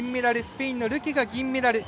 スペインのルケが銀メダル。